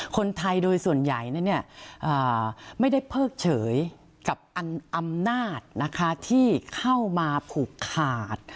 คนไทยโดยส่วนใหญ่ไม่ได้เพิกเฉยกับอำนาจที่เข้ามาผูกขาด